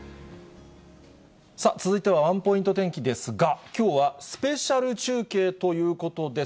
さあ、続いてはワンポイント天気ですが、きょうはスペシャル中継ということです。